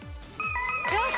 よし！